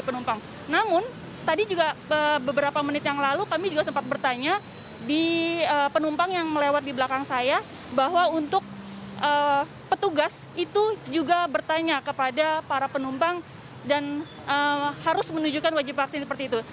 penumpang namun tadi juga beberapa menit yang lalu kami juga sempat bertanya di penumpang yang melewat di belakang saya bahwa untuk petugas itu juga bertanya kepada para penumpang dan harus menunjukkan wajib vaksin seperti itu